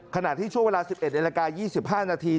ขณะที่ช่วงเวลา๑๑นาฬิกา๒๕นาที